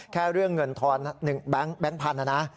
แค่เรื่องเงินทอนแบงค์พันธุนะนะ